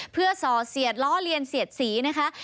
เพื่อส่อเสียดล้อเลียนเสียดสีนะคะ